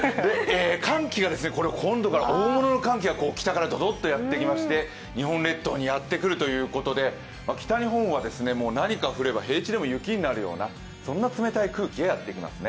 寒気が本土から大物の寒気が北からどどっときまして日本列島にやってくるということで、北日本は何か降れば平地でも雪になるような、そんな冷たい空気がやってきますね。